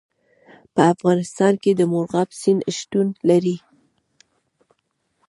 په افغانستان کې د مورغاب سیند شتون لري.